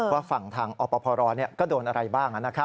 ว่าฝั่งทางอพรก็โดนอะไรบ้าง